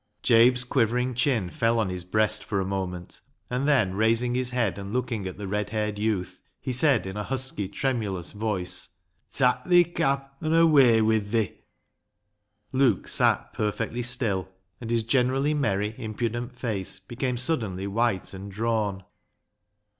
Jabe's quivering chin fell on his breast for a moment, and then raising his head and looking at the red haired youth, he said in a husky, tremulous voice —" Tak' thi cap, an' away wi' thi." Luke sat perfectly still, and his generally merry, impudent face became suddenly white and drawn.